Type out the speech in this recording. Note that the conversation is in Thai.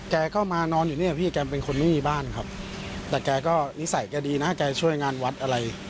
แกก็มานอนอยู่เนี่ยพี่แกเป็นคนไม่มีบ้านครับแต่แกก็นิสัยแกดีนะแกช่วยงานวัดอะไร